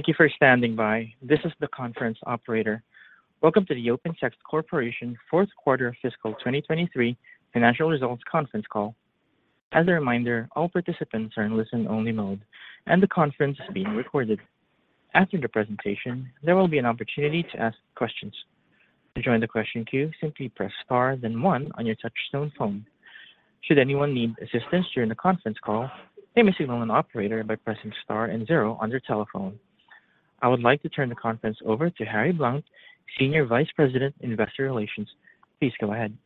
Thank you for standing by. This is the conference operator. Welcome to the OpenText Corporation Fourth Quarter Fiscal 2023 Financial Results Conference Call. As a reminder, all participants are in listen only mode, and the conference is being recorded. After the presentation, there will be an opportunity to ask questions. To join the question queue, simply press star, then one on your touchtone phone. Should anyone need assistance during the conference call, please signal an operator by pressing star and zero on your telephone. I would like to turn the conference over to Harry Blount, Senior Vice President, Investor Relations. Please go ahead.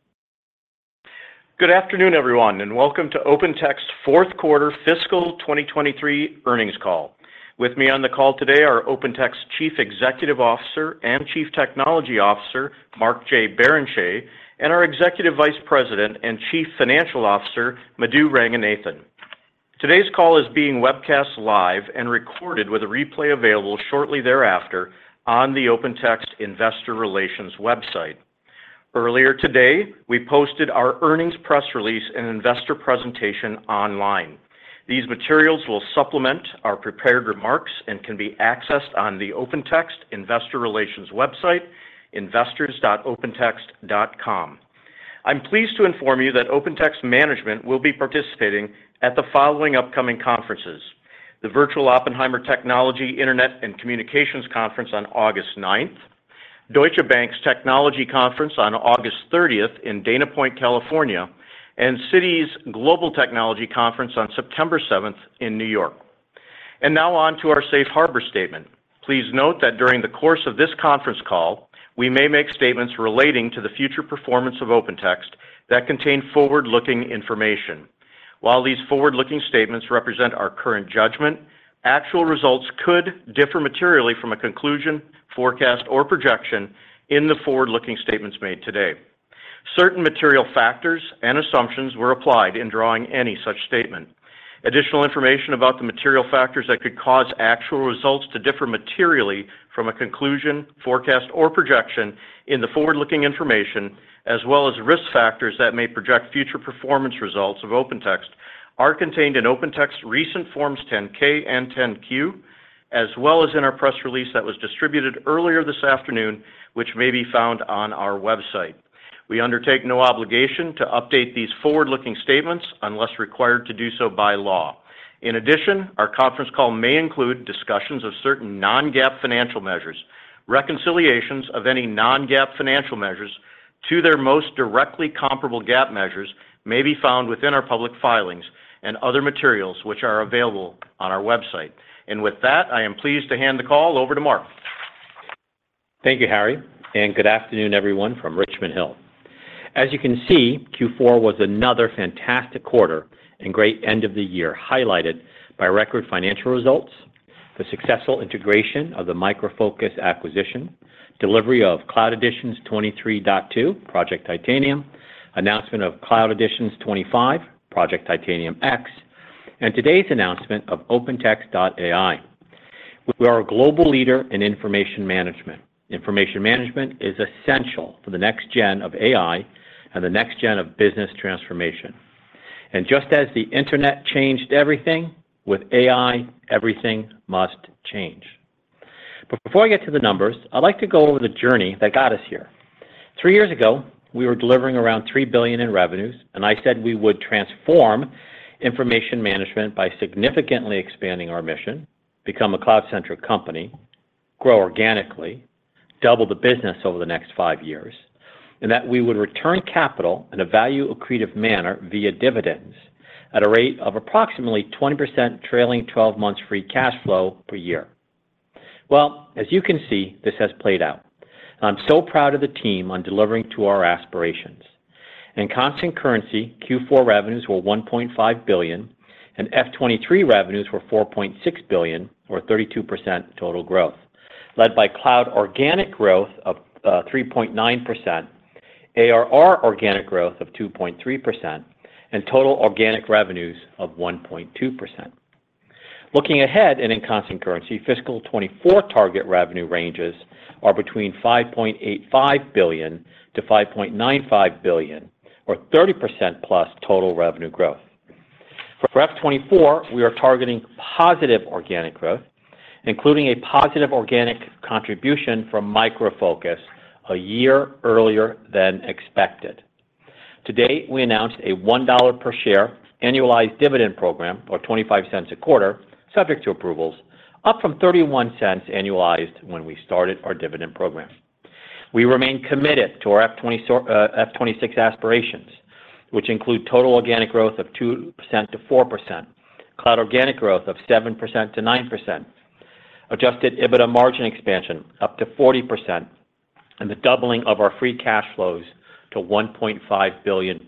Good afternoon, everyone, and welcome to OpenText Fourth Quarter Fiscal 2023 Earnings Call. With me on the call today are OpenText Chief Executive Officer and Chief Technology Officer, Mark J. Barrenechea, and our Executive Vice President and Chief Financial Officer, Madhu Ranganathan. Today's call is being webcast live and recorded, with a replay available shortly thereafter on the OpenText Investor Relations website. Earlier today, we posted our earnings press release and investor presentation online. These materials will supplement our prepared remarks and can be accessed on the OpenText Investor Relations website, investors.opentext.com. I'm pleased to inform you that OpenText management will be participating at the following upcoming conferences: The Virtual Oppenheimer Technology, Internet, and Communications Conference on August 9th, Deutsche Bank's Technology Conference on August 30th in Dana Point, California, and Citi's Global Technology Conference on September 7th in New York. Now on to our safe harbor statement. Please note that during the course of this conference call, we may make statements relating to the future performance of OpenText that contain forward-looking information. While these forward-looking statements represent our current judgment, actual results could differ materially from a conclusion, forecast, or projection in the forward-looking statements made today. Certain material factors and assumptions were applied in drawing any such statement. Additional information about the material factors that could cause actual results to differ materially from a conclusion, forecast, or projection in the forward-looking information, as well as risk factors that may project future performance results of OpenText, are contained in OpenText's recent Forms 10-K and 10-Q, as well as in our press release that was distributed earlier this afternoon, which may be found on our website. We undertake no obligation to update these forward-looking statements unless required to do so by law. In addition, our conference call may include discussions of certain non-GAAP financial measures. Reconciliations of any non-GAAP financial measures to their most directly comparable GAAP measures may be found within our public filings and other materials, which are available on our website. With that, I am pleased to hand the call over to Mark. Thank you, Harry, good afternoon, everyone, from Richmond Hill. As you can see, Q4 was another fantastic quarter and great end of the year, highlighted by record financial results, the successful integration of the Micro Focus acquisition, delivery of Cloud Editions 23.2, Project Titanium, announcement of Cloud Editions 25, Project Titanium X, and today's announcement of OpenText.ai. We are a global leader in information management. Information management is essential for the next gen of AI and the next gen of business transformation. Just as the internet changed everything, with AI, everything must change. Before I get to the numbers, I'd like to go over the journey that got us here. Three years ago, we were delivering around $3 billion in revenues, and I said we would transform information management by significantly expanding our mission, become a cloud-centric company, grow organically, double the business over the next 5 years, and that we would return capital in a value accretive manner via dividends at a rate of approximately 20% trailing 12 months free cash flow per year. Well, as you can see, this has played out. I'm so proud of the team on delivering to our aspirations. In constant currency, Q4 revenues were $1.5 billion, and F23 revenues were $4.6 billion, or 32% total growth, led by cloud organic growth of 3.9%, ARR organic growth of 2.3%, and total organic revenues of 1.2%. Looking ahead and in constant currency, fiscal 2024 target revenue ranges are between $5.85 billion-$5.95 billion, or 30%+ total revenue growth. For F24, we are targeting positive organic growth, including a positive organic contribution from Micro Focus a year earlier than expected. Today, we announced a $1.00 per share annualized dividend program, or $0.25 a quarter, subject to approvals, up from $0.31 annualized when we started our dividend program. We remain committed to our F2026 aspirations, which include total organic growth of 2%-4%, cloud organic growth of 7%-9%, adjusted EBITDA margin expansion up to 40%, and the doubling of our free cash flows to $1.5 billion+.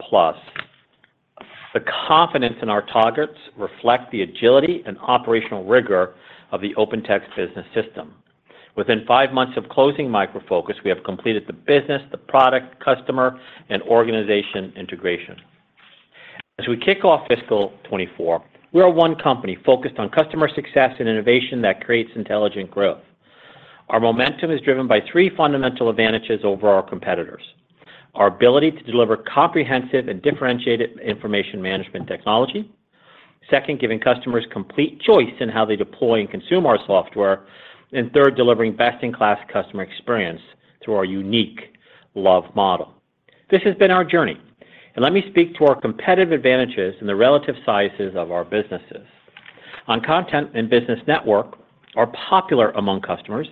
The confidence in our targets reflect the agility and operational rigor of the OpenText Business System. Within 5 months of closing Micro Focus, we have completed the business, the product, customer, and organization integration. As we kick off fiscal 2024, we are one company focused on customer success and innovation that creates intelligent growth.... Our momentum is driven by 3 fundamental advantages over our competitors. Our ability to deliver comprehensive and differentiated information management technology. Second, giving customers complete choice in how they deploy and consume our software. Third, delivering best-in-class customer experience through our unique love model. This has been our journey, and let me speak to our competitive advantages and the relative sizes of our businesses. On Content and Business Network are popular among customers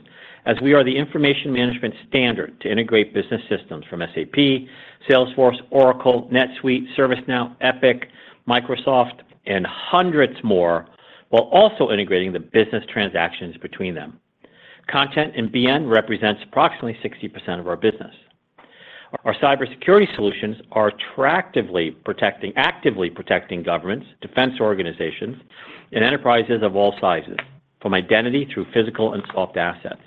as we are the information management standard to integrate business systems from SAP, Salesforce, Oracle, NetSuite, ServiceNow, Epic, Microsoft, and hundreds more, while also integrating the business transactions between them. Content and BN represents approximately 60% of our business. Our cybersecurity solutions are actively protecting governments, defense organizations, and enterprises of all sizes, from identity through physical and soft assets.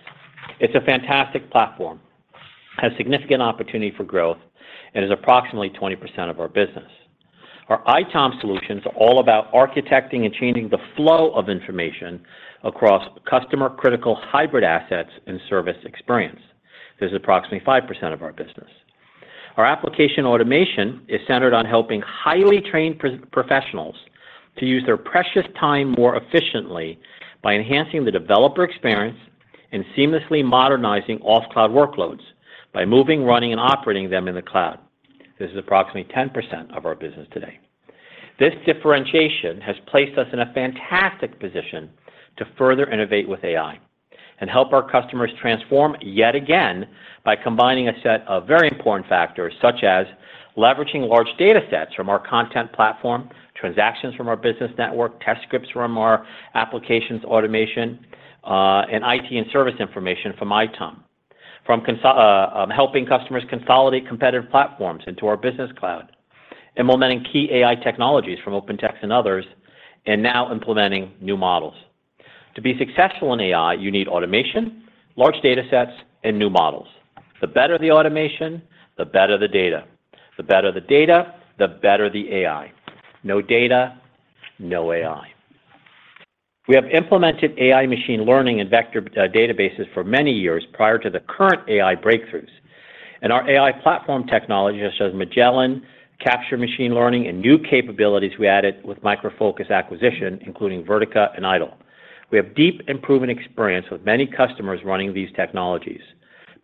It's a fantastic platform, has significant opportunity for growth, and is approximately 20% of our business. Our ITOM solutions are all about architecting and changing the flow of information across customer critical hybrid assets and service experience. This is approximately 5% of our business. Our Application Automation is centered on helping highly trained professionals to use their precious time more efficiently by enhancing the developer experience and seamlessly modernizing off cloud workloads by moving, running, and operating them in the cloud. This is approximately 10% of our business today. This differentiation has placed us in a fantastic position to further innovate with AI and help our customers transform yet again by combining a set of very important factors, such as leveraging large data sets from our content platform, transactions from our Business Network, test scripts from our Application Automation, and IT and service information from ITOM. From helping customers consolidate competitive platforms into our business cloud and implementing key AI technologies from OpenText and others, and now implementing new models. To be successful in AI, you need automation, large data sets, and new models. The better the automation, the better the data. The better the data, the better the AI. No data, no AI. We have implemented AI machine learning and vector databases for many years prior to the current AI breakthroughs, and our AI platform technology, such as Magellan, capture machine learning, and new capabilities we added with Micro Focus acquisition, including Vertica and Idol. We have deep and proven experience with many customers running these technologies.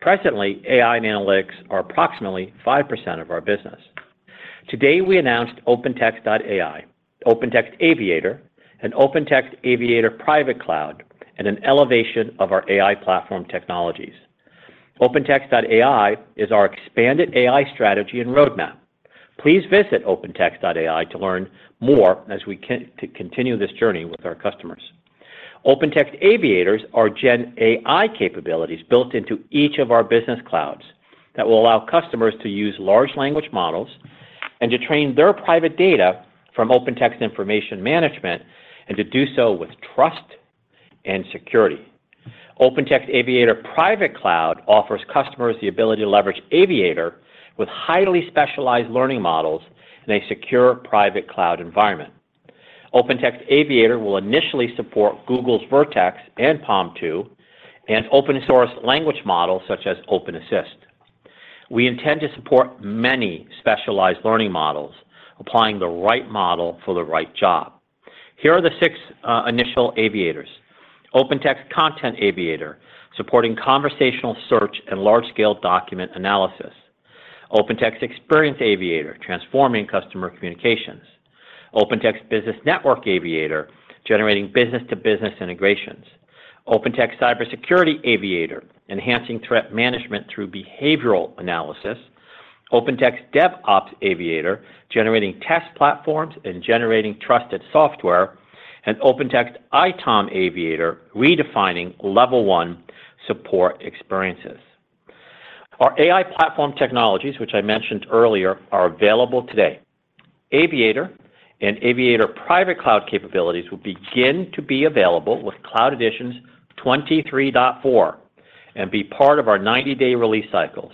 Presently, AI and analytics are approximately 5% of our business. Today, we announced OpenText.ai, OpenText Aviator, and OpenText Aviator Private Cloud, and an elevation of our AI platform technologies. OpenText.ai is our expanded AI strategy and roadmap. Please visit OpenText.ai to learn more as we continue this journey with our customers. OpenText Aviators are Gen AI capabilities built into each of our business clouds that will allow customers to use large language models and to train their private data from OpenText Information Management, and to do so with trust and security. OpenText Aviator Private Cloud offers customers the ability to leverage Aviator with highly specialized learning models in a secure private cloud environment. OpenText Aviator will initially support Google's Vertex and PaLM 2 and open source language models such as Open Assist. We intend to support many specialized learning models, applying the right model for the right job. Here are the 6 initial aviators. OpenText Content Aviator, supporting conversational search and large-scale document analysis. OpenText Experience Aviator, transforming customer communications. OpenText Business Network Aviator, generating business-to-business integrations. OpenText Cybersecurity Aviator, enhancing threat management through behavioral analysis. OpenText DevOps Aviator, generating test platforms and generating trusted software, and OpenText ITOM Aviator, redefining level one support experiences. Our AI platform technologies, which I mentioned earlier, are available today. Aviator and Aviator Private Cloud capabilities will begin to be available with Cloud Editions 23.4 and be part of our 90-day release cycles.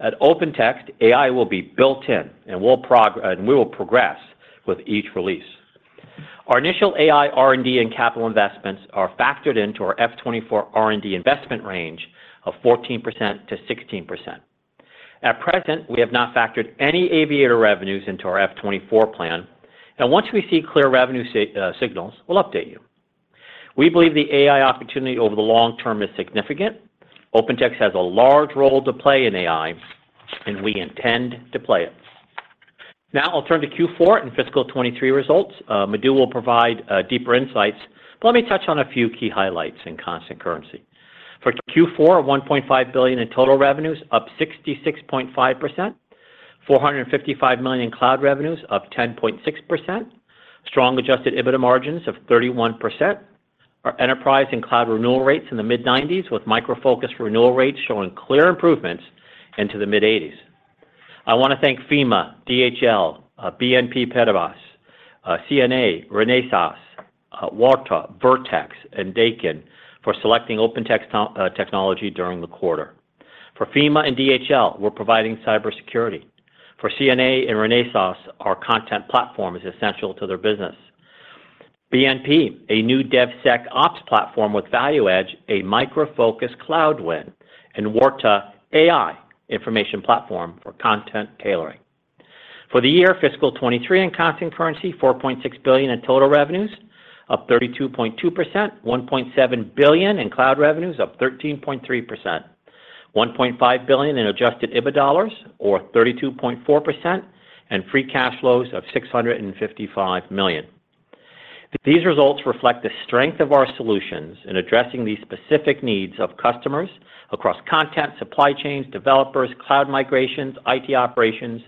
At OpenText, AI will be built in, and we'll and we will progress with each release. Our initial AI, R&D, and capital investments are factored into our F24 R&D investment range of 14%-16%. At present, we have not factored any Aviator revenues into our F24 plan, and once we see clear revenue signals, we'll update you. We believe the AI opportunity over the long term is significant. OpenText has a large role to play in AI, and we intend to play it. Now, I'll turn to Q4 and fiscal 2023 results. Madhu will provide deeper insights, but let me touch on a few key highlights in constant currency. For Q4, $1.5 billion in total revenues, up 66.5%. $455 million in cloud revenues, up 10.6%. Strong adjusted EBITDA margins of 31%. Our enterprise and cloud renewal rates in the mid-90s, with Micro Focus renewal rates showing clear improvements into the mid-80s. I want to thank FEMA, DHL, BNP Paribas, CNA, Renesas, Walktop, Vertex, and Daikin for selecting OpenText technology during the quarter. For FEMA and DHL, we're providing cybersecurity. For CNA and Renesas, our content platform is essential to their business. BNP, a new DevSecOps platform with ValueEdge, a Micro Focus cloud win, and Warta AI information platform for content tailoring. For the year fiscal 2023 in constant currency, $4.6 billion in total revenues, up 32.2%, $1.7 billion in cloud revenues, up 13.3%, $1.5 billion in adjusted EBITDA or 32.4%, and free cash flows of $655 million. These results reflect the strength of our solutions in addressing the specific needs of customers across content, supply chains, developers, cloud migrations, IT operations,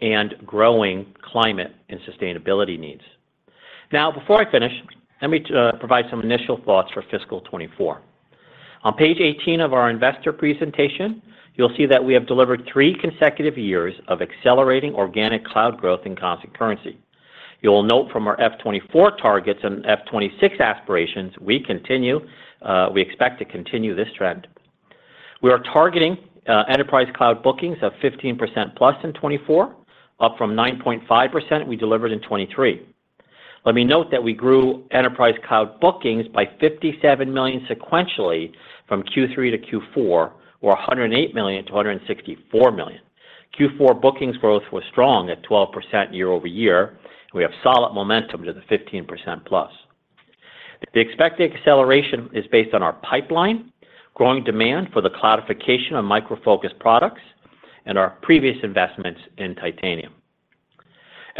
and growing climate and sustainability needs. Before I finish, let me provide some initial thoughts for fiscal 2024. On page 18 of our investor presentation, you'll see that we have delivered three consecutive years of accelerating organic cloud growth in constant currency. You'll note from our F24 targets and F26 aspirations, we expect to continue this trend. We are targeting enterprise cloud bookings of 15%+ in 2024, up from 9.5% we delivered in 2023. Let me note that we grew enterprise cloud bookings by $57 million sequentially from Q3 to Q4, or $108 million to $164 million. Q4 bookings growth was strong at 12% year-over-year. We have solid momentum to the 15%+. The expected acceleration is based on our pipeline, growing demand for the cloudification of Micro Focus products, and our previous investments in Titanium.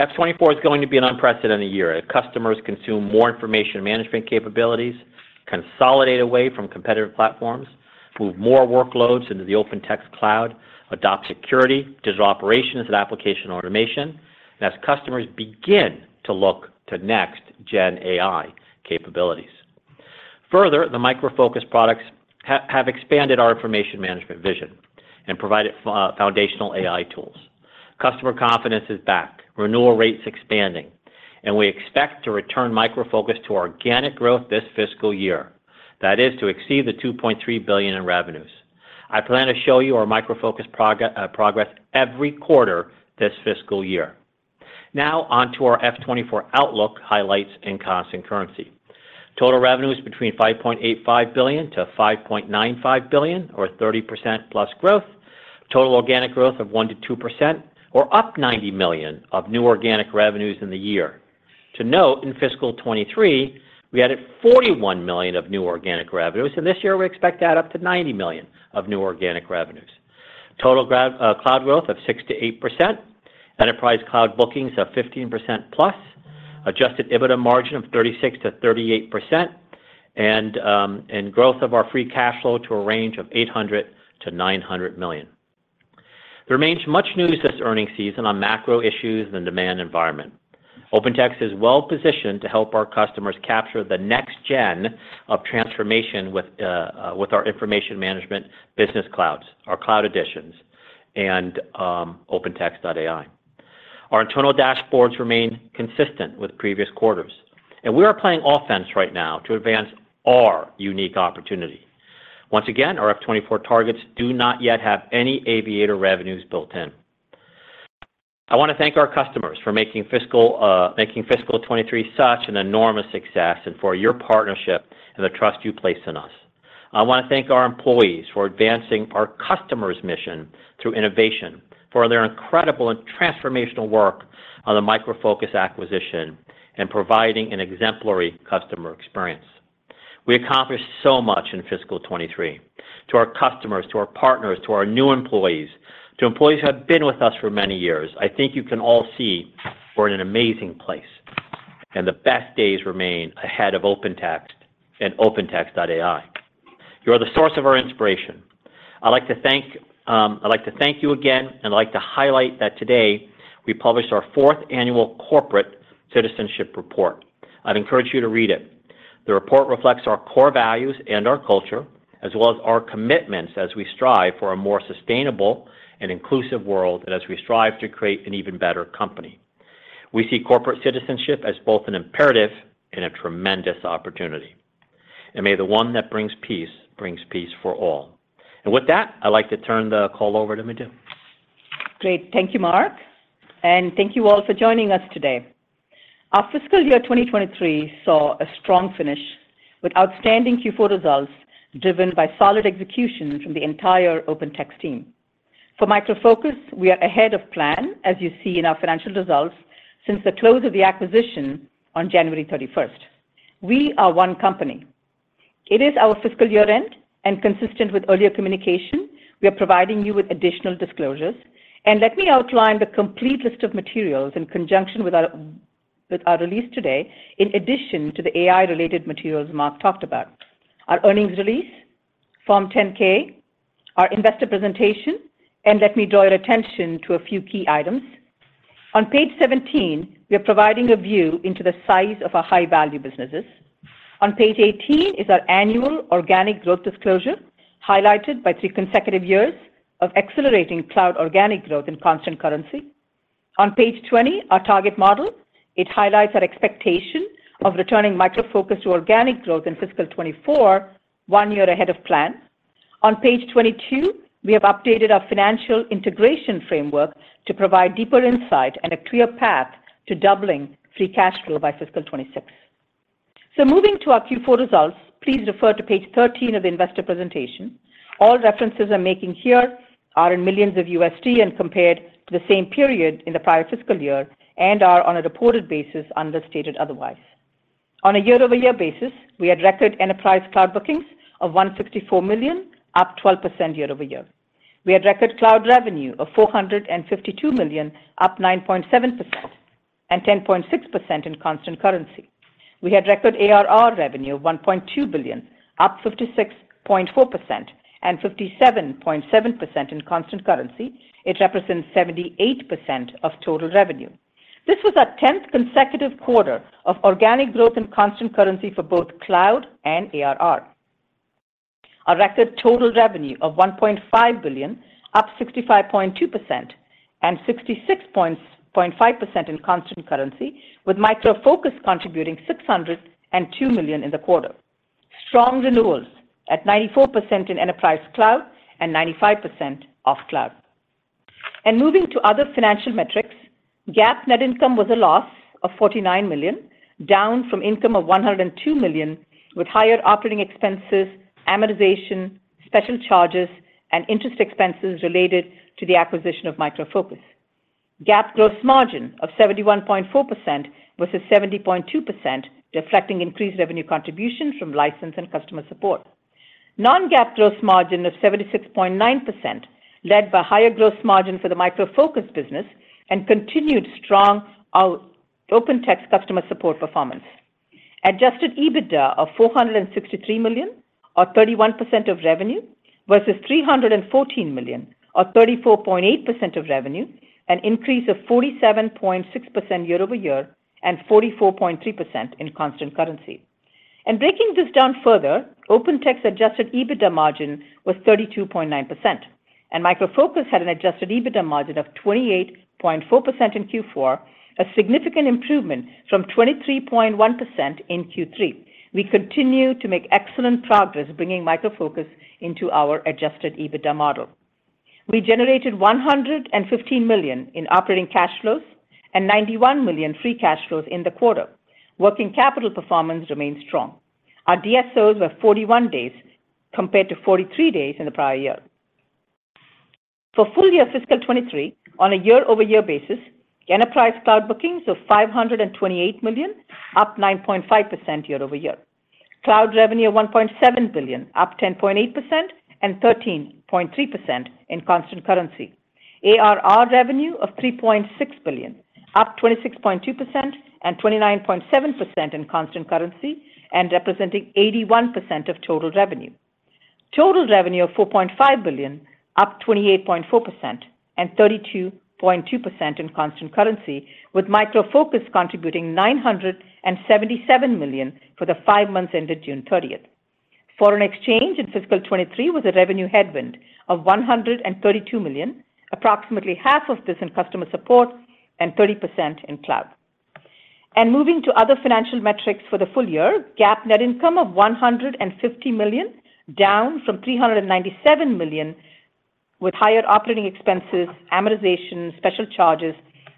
F24 is going to be an unprecedented year as customers consume more information management capabilities, consolidate away from competitive platforms, move more workloads into the OpenText cloud, adopt security, digital operations and Application Automation, and as customers begin to look to next gen AI capabilities. Further, the Micro Focus products have expanded our information management vision and provided foundational AI tools. Customer confidence is back, renewal rates expanding, and we expect to return Micro Focus to organic growth this fiscal year. That is to exceed the $2.3 billion in revenues. I plan to show you our Micro Focus progress every quarter this fiscal year. On to our F24 outlook, highlights, and constant currency. Total revenues between $5.85 billion-$5.95 billion or 30%+ growth. Total organic growth of 1%-2% or up $90 million of new organic revenues in the year. To note, in fiscal 2023, we added $41 million of new organic revenues, this year we expect that up to $90 million of new organic revenues. Total cloud growth of 6%-8%. Enterprise cloud bookings of 15%+. Adjusted EBITDA margin of 36%-38%. Growth of our free cash flow to a range of $800 million-$900 million. There remains much news this earning season on macro issues and demand environment. OpenText is well positioned to help our customers capture the next gen of transformation with our information management business clouds, our cloud additions, and OpenText.ai. Our internal dashboards remain consistent with previous quarters, and we are playing offense right now to advance our unique opportunity. Once again, our F24 targets do not yet have any Aviator revenues built in. I want to thank our customers for making fiscal 2023 such an enormous success and for your partnership and the trust you place in us. I want to thank our employees for advancing our customer's mission through innovation, for their incredible and transformational work on the Micro Focus acquisition, and providing an exemplary customer experience. We accomplished so much in fiscal 2023. To our customers, to our partners, to our new employees, to employees who have been with us for many years, I think you can all see we're in an amazing place, and the best days remain ahead of OpenText and opentext.ai. You are the source of our inspiration. I'd like to thank, I'd like to thank you again, and I'd like to highlight that today we published our fourth annual Corporate Citizenship Report. I'd encourage you to read it. The report reflects our core values and our culture, as well as our commitments as we strive for a more sustainable and inclusive world, as we strive to create an even better company. We see corporate citizenship as both an imperative and a tremendous opportunity. May the one that brings peace, brings peace for all. With that, I'd like to turn the call over to Madhu. Great. Thank you, Mark, thank you all for joining us today. Our fiscal year 2023 saw a strong finish with outstanding Q4 results, driven by solid execution from the entire OpenText team. For Micro Focus, we are ahead of plan, as you see in our financial results, since the close of the acquisition on January 31st. We are one company. It is our fiscal year-end, consistent with earlier communication, we are providing you with additional disclosures. Let me outline the complete list of materials in conjunction with our, with our release today, in addition to the AI-related materials Mark talked about. Our earnings release, Form 10-K, our investor presentation, let me draw your attention to a few key items. On page 17, we are providing a view into the size of our high-value businesses. On page 18 is our annual organic growth disclosure, highlighted by three consecutive years of accelerating cloud organic growth in constant currency. On page 20, our target model. It highlights our expectation of returning Micro Focus to organic growth in fiscal 2024, one year ahead of plan. On page 22, we have updated our financial integration framework to provide deeper insight and a clear path to doubling free cash flow by fiscal 2026. Moving to our Q4 results, please refer to page 13 of the investor presentation. All references I'm making here are in millions of USD and compared to the same period in the prior fiscal year and are on a reported basis, understated otherwise. On a year-over-year basis, we had record enterprise cloud bookings of $154 million, up 12% year-over-year. We had record cloud revenue of $452 million, up 9.7% and 10.6% in constant currency. We had record ARR revenue of $1.2 billion, up 56.4% and 57.7% in constant currency. It represents 78% of total revenue. This was our 10th consecutive quarter of organic growth in constant currency for both cloud and ARR. A record total revenue of $1.5 billion, up 65.2% and 66.5% in constant currency, with Micro Focus contributing $IT Ops million in the quarter. Strong renewals at 94% in enterprise cloud and 95% off cloud. Moving to other financial metrics, GAAP net income was a loss of $49 million, down from income of $102 million, with higher operating expenses, amortization, special charges, and interest expenses related to the acquisition of Micro Focus. GAAP gross margin of 71.4% versus 70.2%, reflecting increased revenue contributions from license and customer support. Non-GAAP gross margin of 76.9% led by higher gross margin for the Micro Focus business and continued strong out OpenText customer support performance. Adjusted EBITDA of $463 million, or 31% of revenue, versus $314 million or 34.8% of revenue, an increase of 47.6% year-over-year and 44.3% in constant currency. Breaking this down further, OpenText adjusted EBITDA margin was 32.9%, and Micro Focus had an adjusted EBITDA margin of 28.4% in Q4, a significant improvement from 23.1% in Q3. We continue to make excellent progress bringing Micro Focus into our adjusted EBITDA model. We generated $115 million in operating cash flows and $91 million free cash flows in the quarter. Working capital performance remains strong. Our DSOs were 41 days, compared to 43 days in the prior year. For full year fiscal 2023, on a year-over-year basis, enterprise cloud bookings of $528 million, up 9.5% year-over-year. Cloud revenue of $1.7 billion, up 10.8% and 13.3% in constant currency. ARR revenue of $3.6 billion, up 26.2% and 29.7% in constant currency and representing 81% of total revenue. Total revenue of $4.5 billion, up 28.4% and 32.2% in constant currency, with Micro Focus contributing $977 million for the five months ended June 30th. Foreign exchange in fiscal 2023 was a revenue headwind of $132 million, approximately half of this in customer support and 30% in cloud. Moving to other financial metrics for the full year, GAAP net income of $150 million, down from $397 million, with higher operating expenses, amortization, special charges,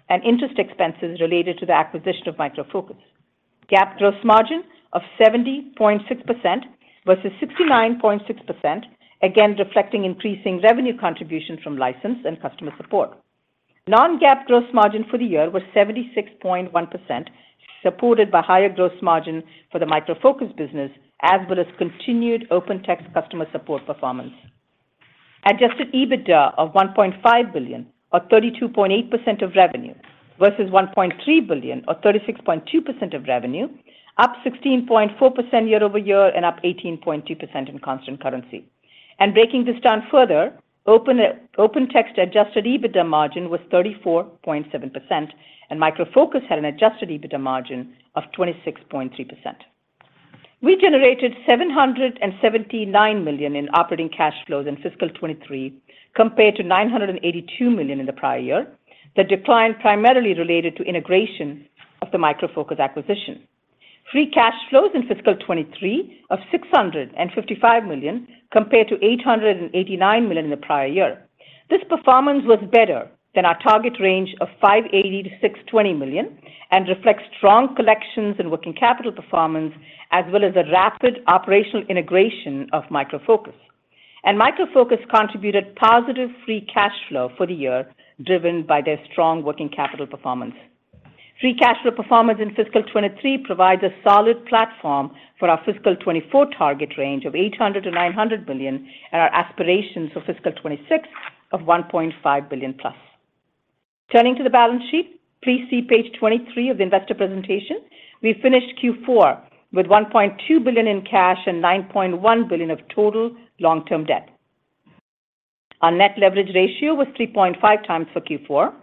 and interest expenses related to the acquisition of Micro Focus. GAAP gross margin of 70.6% versus 69.6%, again, reflecting increasing revenue contribution from license and customer support. Non-GAAP gross margin for the year was 76.1%, supported by higher gross margin for the Micro Focus business, as well as continued OpenText customer support performance. Adjusted EBITDA of $1.5 billion or 32.8% of revenue versus $1.3 billion or 36.2% of revenue, up 16.4% year-over-year and up 18.2% in constant currency. Breaking this down further, OpenText adjusted EBITDA margin was 34.7%, and Micro Focus had an adjusted EBITDA margin of 26.3%. We generated $779 million in operating cash flows in fiscal 2023, compared to $982 million in the prior year. The decline primarily related to integration of the Micro Focus acquisition. Free cash flows in fiscal 2023 of $655 million, compared to $889 million in the prior year. This performance was better than our target range of $580 million-$620 million and reflects strong collections and working capital performance, as well as the rapid operational integration of Micro Focus. Micro Focus contributed positive free cash flow for the year, driven by their strong working capital performance. Free cash flow performance in fiscal 2023 provides a solid platform for our fiscal 2024 target range of $800 billion-$900 billion and our aspirations for fiscal 2026 of $1.5 billion+. Turning to the balance sheet, please see page 23 of the investor presentation. We finished Q4 with $1.2 billion in cash and $9.1 billion of total long-term debt. Our net leverage ratio was 3.5 times for Q4.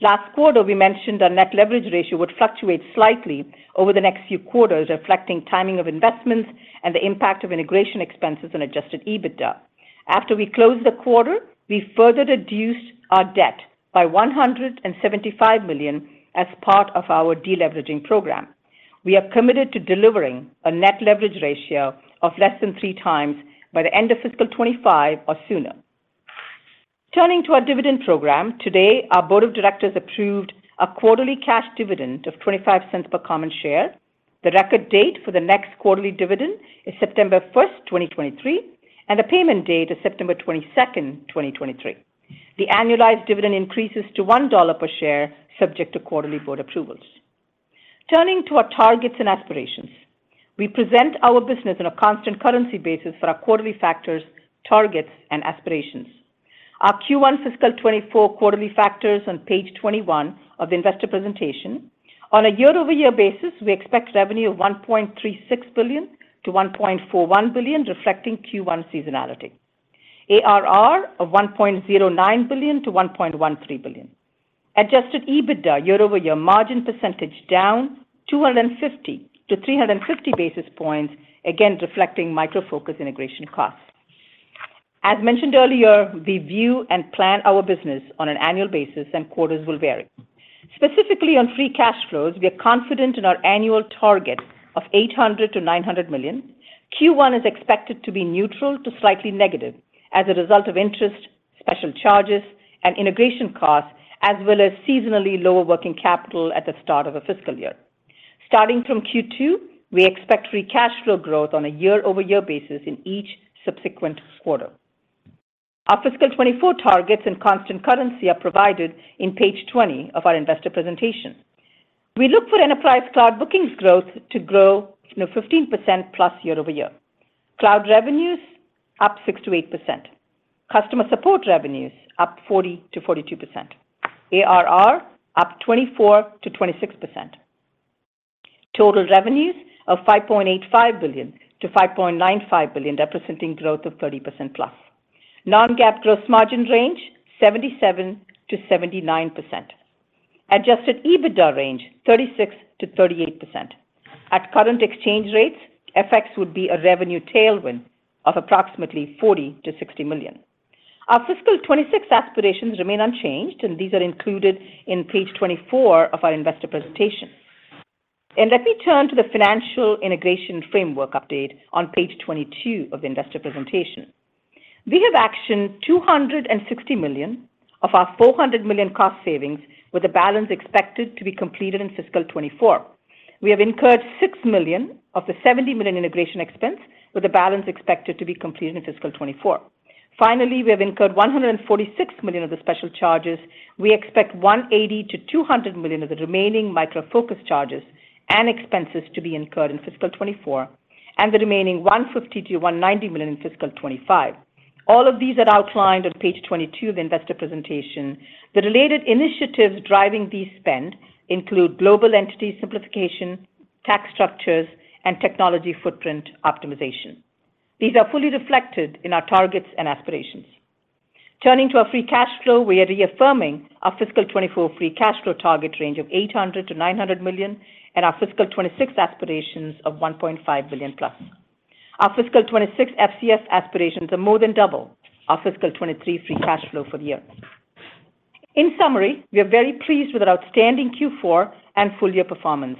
Last quarter, we mentioned our net leverage ratio would fluctuate slightly over the next few quarters, reflecting timing of investments and the impact of integration expenses on adjusted EBITDA. After we closed the quarter, we further reduced our debt by $175 million as part of our de-leveraging program. We are committed to delivering a net leverage ratio of less than 3 times by the end of fiscal 2025 or sooner. Turning to our dividend program, today, our board of directors approved a quarterly cash dividend of $0.25 per common share. The record date for the next quarterly dividend is 09/01/2023, and the payment date is 09/22/2023. The annualized dividend increases to $1 per share, subject to quarterly board approvals. Turning to our targets and aspirations, we present our business on a constant currency basis for our quarterly factors, targets, and aspirations. Our Q1 fiscal 2024 quarterly factors on page 21 of the investor presentation. On a year-over-year basis, we expect revenue of $1.36 billion-$1.41 billion, reflecting Q1 seasonality. ARR of $1.09 billion-$1.13 billion. Adjusted EBITDA year-over-year margin percentage down, 250-350 basis points, again, reflecting Micro Focus integration costs. As mentioned earlier, we view and plan our business on an annual basis, and quarters will vary. Specifically on free cash flows, we are confident in our annual target of $800 million-$900 million. Q1 is expected to be neutral to slightly negative as a result of interest, special charges, and integration costs, as well as seasonally lower working capital at the start of a fiscal year. Starting from Q2, we expect free cash flow growth on a year-over-year basis in each subsequent quarter. Our fiscal 2024 targets and constant currency are provided in page 20 of our investor presentation. We look for enterprise cloud bookings growth to grow, you know, 15%+ year-over-year. Cloud revenues, up 6%-8%. Customer support revenues, up 40%-42%. ARR, up 24%-26%. Total revenues of $5.85 billion-$5.95 billion, representing growth of 30%+. Non-GAAP gross margin range, 77%-79%. Adjusted EBITDA range, 36%-38%. At current exchange rates, FX would be a revenue tailwind of approximately $40 million-$60 million. Our fiscal 2026 aspirations remain unchanged, and these are included in page 24 of our investor presentation. Let me turn to the financial integration framework update on page 22 of the investor presentation. We have actioned $260 million of our $400 million cost savings, with the balance expected to be completed in fiscal 2024. We have incurred $6 million of the $70 million integration expense, with the balance expected to be completed in fiscal 2024. Finally, we have incurred $146 million of the special charges. We expect $180 million-$200 million of the remaining Micro Focus charges and expenses to be incurred in fiscal 2024, and the remaining $150 million-$190 million in fiscal 2025. All of these are outlined on page 22 of the investor presentation. The related initiatives driving these spend include global entity simplification, tax structures, and technology footprint optimization. These are fully reflected in our targets and aspirations. Turning to our free cash flow, we are reaffirming our fiscal 2024 free cash flow target range of $800 million-$900 million, and our fiscal 2026 aspirations of $1.5 billion+. Our fiscal 2026 FCF aspirations are more than double our fiscal 2023 free cash flow for the year. In summary, we are very pleased with our outstanding Q4 and full year performance.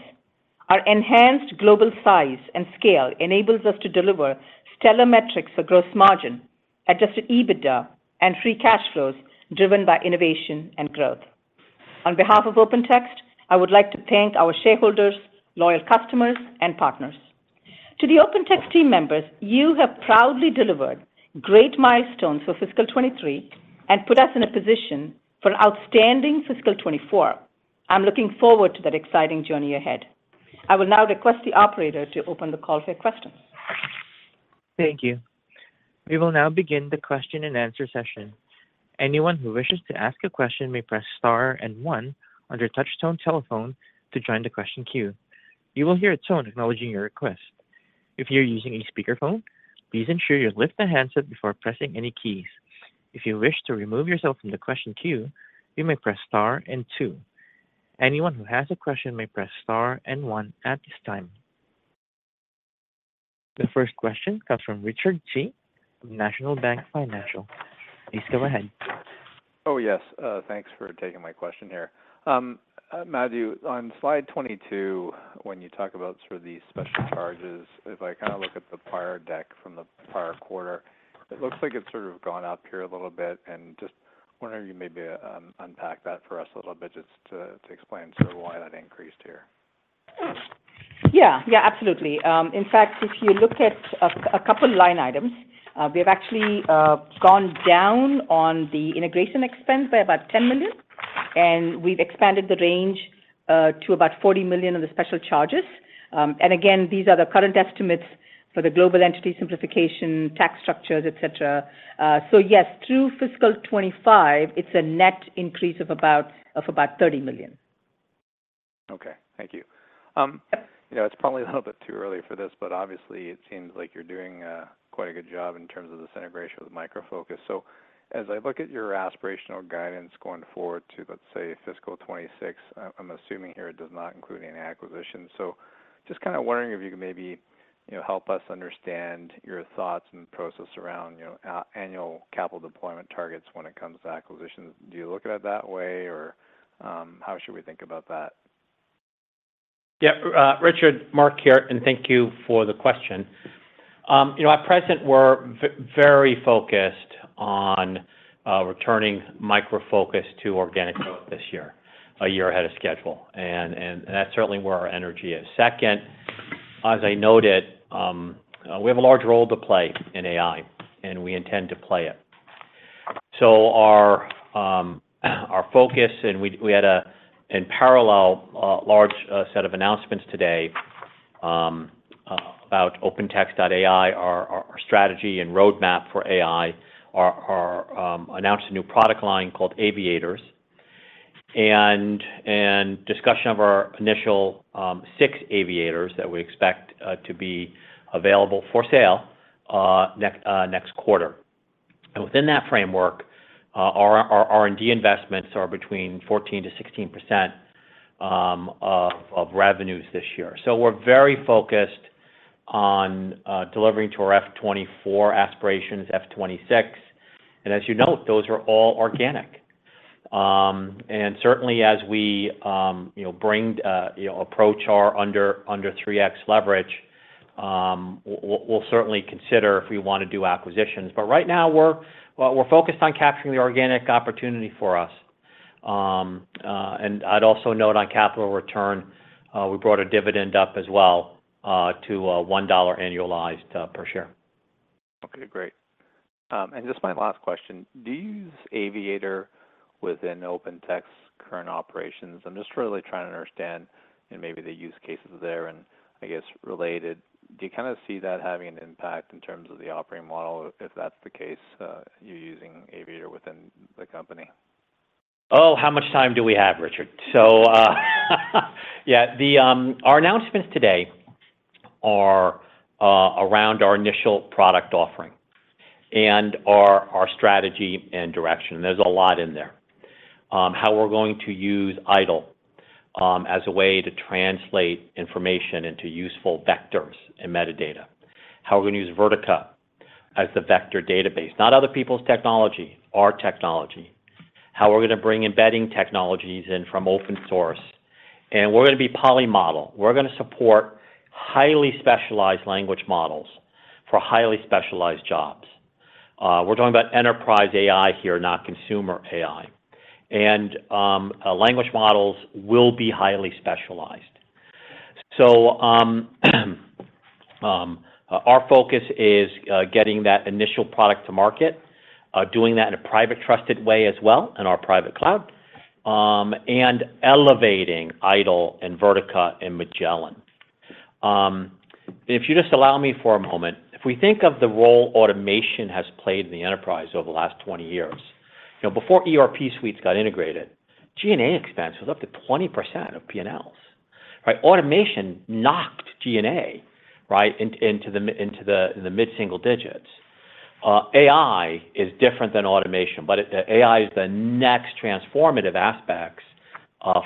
Our enhanced global size and scale enables us to deliver stellar metrics for gross margin, adjusted EBITDA, and free cash flows, driven by innovation and growth. On behalf of OpenText, I would like to thank our shareholders, loyal customers, and partners. To the OpenText team members, you have proudly delivered great milestones for fiscal 2023 and put us in a position for an outstanding fiscal 2024. I'm looking forward to that exciting journey ahead. I will now request the operator to open the call for questions. Thank you. We will now begin the question-and-answer session. Anyone who wishes to ask a question may press star and one on your touchtone telephone to join the question queue. You will hear a tone acknowledging your request. If you're using a speakerphone, please ensure you lift the handset before pressing any keys. If you wish to remove yourself from the question queue, you may press star and two. Anyone who has a question may press star and one at this time. The first question comes from Richard Tse of National Bank Financial. Please go ahead. Oh, yes. Thanks for taking my question here. Madhu, on slide 22, when you talk about sort of the special charges, if I kind of look at the prior deck from the prior quarter, it looks like it's sort of gone up here a little bit, and just wondering if you maybe unpack that for us a little bit just to explain sort of why that increased here? Yeah. Yeah, absolutely. In fact, if you look at a couple line items, we have actually gone down on the integration expense by about $10 million. We've expanded the range to about $40 million of the special charges. Again, these are the current estimates for the global entity simplification, tax structures, et cetera. Yes, through fiscal 2025, it's a net increase of about $30 million. Okay. Thank you. you know, it's probably a little bit too early for this, but obviously it seems like you're doing quite a good job in terms of this integration with Micro Focus. As I look at your aspirational guidance going forward to, let's say, fiscal 2026, I, I'm assuming here it does not include any acquisitions. Just kind of wondering if you could maybe, you know, help us understand your thoughts and process around, you know, annual capital deployment targets when it comes to acquisitions. Do you look at it that way, or, how should we think about that? Yeah, Richard, Mark here. Thank you for the question. You know, at present, we're very focused on returning Micro Focus to organic growth this year, a year ahead of schedule, and that's certainly where our energy is. Second, as I noted, we have a large role to play in AI, and we intend to play it. Our focus, and we had a, in parallel, a large set of announcements today about opentext.ai, our strategy and roadmap for AI, our announced a new product line called Aviators, and discussion of our initial six Aviators that we expect to be available for sale next quarter. Within that framework, our R&D investments are between 14%-16% of revenues this year. We're very focused on delivering to our F24 aspirations, F2026, and as you note, those are all organic. Certainly as we, you know, bring, you know, approach our under, under 3x leverage, we'll, we'll certainly consider if we wanna do acquisitions. Right now, we're, well, we're focused on capturing the organic opportunity for us. I'd also note on capital return, we brought a dividend up as well, to a $1.00 annualized per share. Okay, great. Just my last question: Do you use Aviator within OpenText current operations? I'm just really trying to understand, and maybe the use cases there, and I guess related, do you kinda see that having an impact in terms of the operating model, if that's the case, you're using Aviator within the company? Oh, how much time do we have, Richard? Our announcements today are around our initial product offering and our, our strategy and direction. There's a lot in there. How we're going to use IDOL as a way to translate information into useful vectors and metadata. How we're going to use Vertica as the vector database, not other people's technology, our technology. How we're gonna bring embedding technologies in from open source, and we're gonna be polymodel. We're gonna support highly specialized language models for highly specialized jobs. We're talking about enterprise AI here, not consumer AI. Language models will be highly specialized. Our focus is getting that initial product to market, doing that in a private, trusted way as well in our private cloud, and elevating IDOL and Vertica and Magellan. If you just allow me for a moment, if we think of the role automation has played in the enterprise over the last 20 years, you know, before ERP suites got integrated, G&A expense was up to 20% of P&Ls, right? Automation knocked G&A, right, into the mid single digits. AI is different than automation, but AI is the next transformative aspects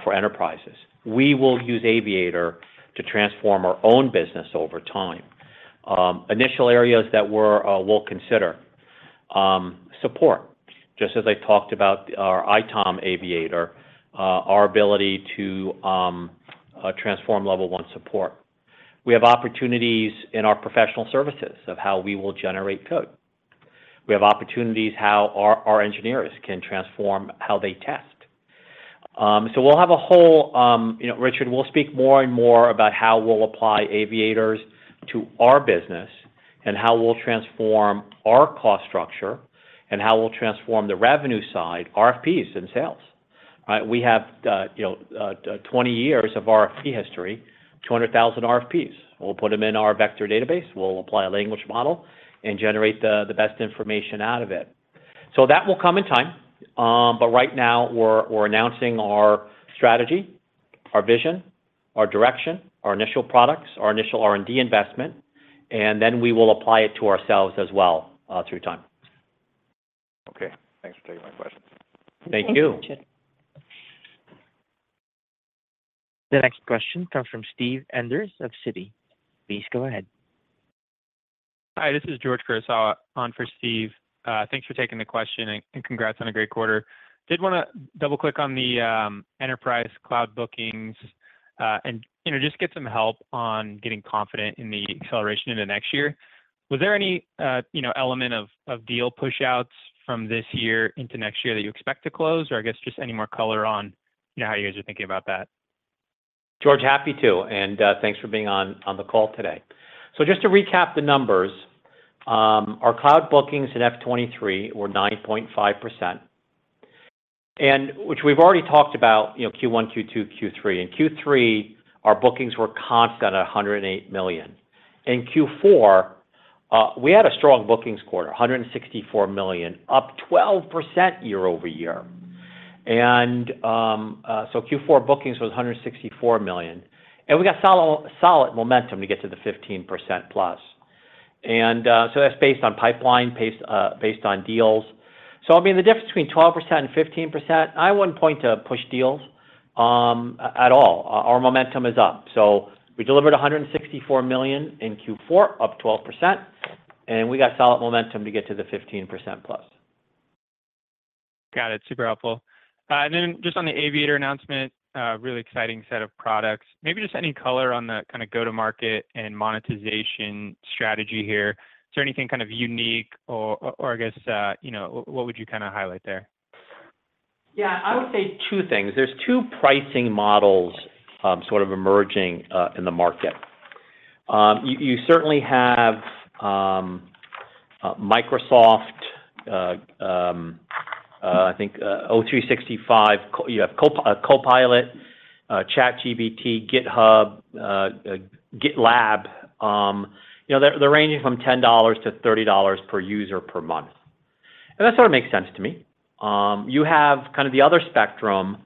for enterprises. We will use Aviator to transform our own business over time. Initial areas that we're will consider support. Just as I talked about our ITOM Aviator, our ability to transform level 1 support. We have opportunities in our professional services of how we will generate code. We have opportunities how our, our engineers can transform how they test. So we'll have a whole. You know, Richard, we'll speak more and more about how we'll apply Aviators to our business, and how we'll transform our cost structure, and how we'll transform the revenue side, RFPs, and sales. We have, you know, 20 years of RFP history, 200,000 RFPs. We'll put them in our vector database, we'll apply a language model, and generate the, the best information out of it. That will come in time, but right now, we're announcing our strategy, our vision, our direction, our initial products, our initial R&D investment, and then we will apply it to ourselves as well, through time. Okay. Thanks for taking my questions. Thank you. Thanks, Richard. The next question comes from Steve Enders of Citi. Please go ahead. Hi, this is George Kurosawa on for Steve. Thanks for taking the question, and congrats on a great quarter. Did wanna double-click on the enterprise cloud bookings, and, you know, just get some help on getting confident in the acceleration into next year. Was there any, you know, element of deal pushouts from this year into next year that you expect to close? Or I guess just any more color on, you know, how you guys are thinking about that? George, happy to, thanks for being on, on the call today. Just to recap the numbers, our cloud bookings in F23 were 9.5%, which we've already talked about, you know, Q1, Q2, Q3. In Q3, our bookings were constant at $108 million. In Q4, we had a strong bookings quarter, $164 million, up 12% year-over-year. Q4 bookings was $164 million, and we got solid, solid momentum to get to the 15%+. That's based on pipeline, pace, based on deals. I mean, the difference between 12% and 15%, I wouldn't point to push deals at all. Our momentum is up. We delivered $164 million in Q4, up 12%, and we got solid momentum to get to the 15%+. Got it. Super helpful. Then just on the Aviator announcement, a really exciting set of products. Maybe just any color on the kind of go-to-market and monetization strategy here. Is there anything kind of unique or, or I guess, you know, what would you kind of highlight there? Yeah, I would say two things. There's two pricing models, sort of emerging in the market. You, you certainly have Microsoft, I think, O365, you have Copilot, ChatGPT, GitHub, GitLab, you know, they're ranging from $10-$30 per user per month. That sort of makes sense to me. You have kind of the other spectrum,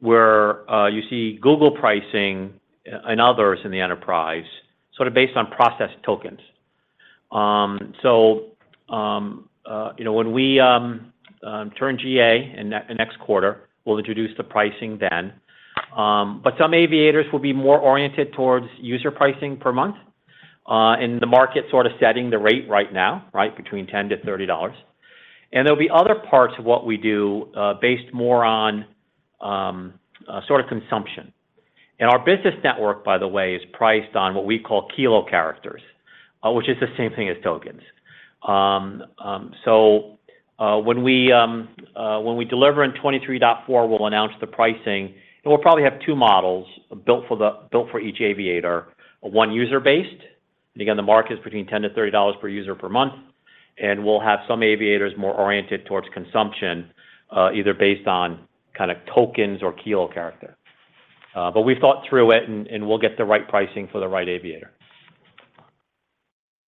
where, you see Google pricing and others in the enterprise, sort of based on process tokens. You know, when we turn GA in next quarter, we'll introduce the pricing then. Some aviators will be more oriented towards user pricing per month, and the market sort of setting the rate right now, right, between $10-$30. There'll be other parts of what we do, based more on sort of consumption. Our Business Network, by the way, is priced on what we call kilo characters, which is the same thing as tokens. So, when we deliver in 23.4, we'll announce the pricing, and we'll probably have two models built for each aviator. One, user-based, and again, the market is between $10-$30 per user per month, and we'll have some aviators more oriented towards consumption, either based on kind of tokens or kilocharacter. We've thought through it, and we'll get the right pricing for the right aviator.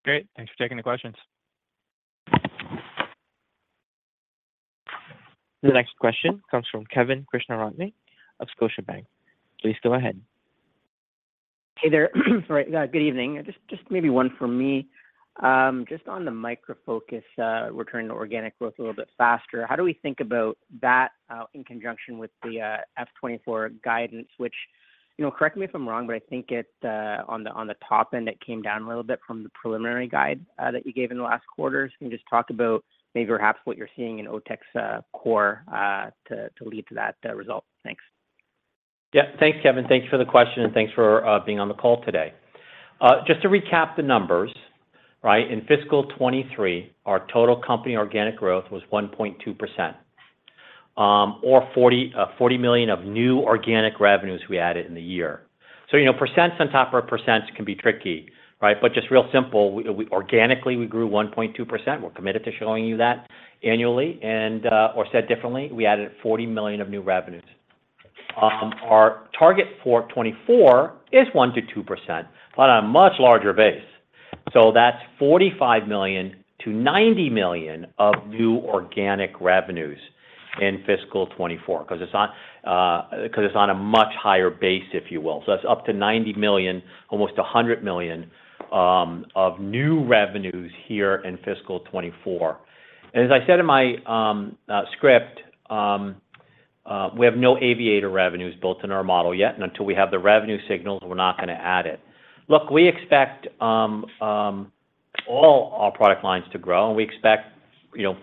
Great. Thanks for taking the questions. The next question comes from Kevin Krishnaratne of Scotia Bank. Please go ahead. Hey there. Sorry, good evening. Just maybe one for me. Just on the Micro Focus returning to organic growth a little bit faster, how do we think about that in conjunction with the F24 guidance? Which, you know, correct me if I'm wrong, but I think it on the top end, it came down a little bit from the preliminary guide that you gave in the last quarter. Can you just talk about maybe perhaps what you're seeing in OpenText's core to lead to that result? Thanks. Yeah. Thanks, Kevin. Thanks for the question, and thanks for being on the call today. Just to recap the numbers, right? In fiscal 2023, our total company organic growth was 1.2%, or $40 million of new organic revenues we added in the year. You know, percents on top of percents can be tricky, right? Just real simple, we, organically, we grew 1.2%. We're committed to showing you that annually, and or said differently, we added $40 million of new revenues. Our target for 2024 is 1%-2%, but on a much larger base. That's $45 million-$90 million of new organic revenues in fiscal 2024, 'cause it's on 'cause it's on a much higher base, if you will. That's up to $90 million, almost $100 million, of new revenues here in fiscal 2024. As I said in my script, we have no aviator revenues built in our model yet, and until we have the revenue siG&Als, we're not gonna add it. Look, we expect all our product lines to grow, and we expect, you know,